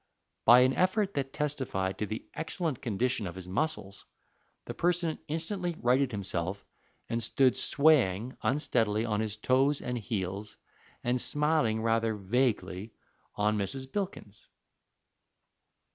By an effort that testified to the excellent condition of his muscles, the person instantly righted himself, and stood swaying unsteadily on his toes and heels, and smiling rather vaguely on Mrs. Bilkins.